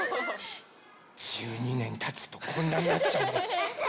１２ねんたつとこんなんなっちゃうんです。